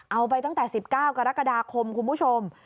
เอาไปตั้งแต่๑๙กรกฎาคมคุณผู้ชม